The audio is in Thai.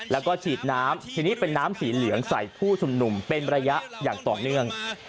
แล้วก็ฉีดน้ำทีนี้เป็นน้ำสีเหลืองใส่ผู้ชุมนุมเป็นระยะอย่างต่อเนื่อง